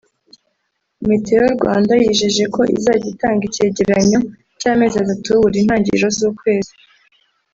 Meteo Rwanda yijeje ko izajya itanga icyegeranyo cy’amezi atatu buri ntangiriro z’ukwezi